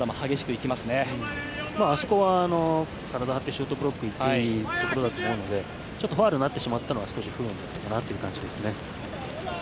あそこは体を張ってシュートブロックに行っていいところだと思うのでファウルになったのは少し不運だったかなという感じですね。